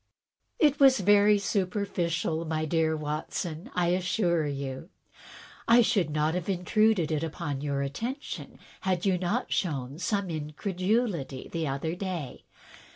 " It was very superficial, my dear Watson, I assure you. I should not have intruded it upon your attention had you not shown some incredulity the other day.